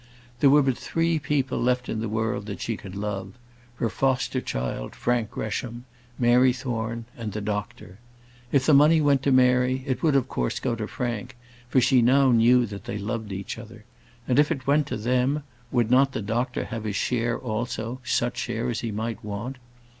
There were but three people left in the world that she could love: her foster child, Frank Gresham Mary Thorne, and the doctor. If the money went to Mary, it would of course go to Frank, for she now knew that they loved each other; and if it went to them, would not the doctor have his share also; such share as he might want?